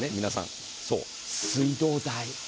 皆さんそう水道代